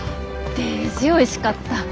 デージおいしかった。